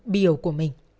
biểu của mình